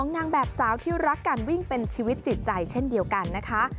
นางแบบสาวที่รักการวิ่งเป็นชีวิตจิตใจเช่นเดียวกันนะคะ